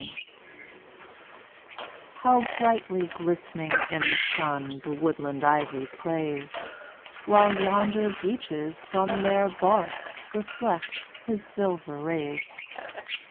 HOME. How brightly glistening in the sun The woodland ivy plays! While yonder beeches from their barks Reflect his silver rays.